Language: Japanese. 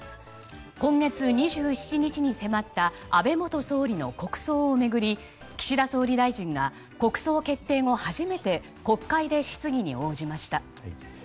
今月２７日に迫った安倍元総理の国葬を巡り岸田総理大臣が国葬決定後、初めて国会で質疑に応じました。